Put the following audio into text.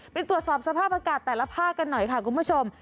ไปตรวจสอบสภาพอากาศแต่ละภาคกันหน่อยค่ะคุณผู้ชม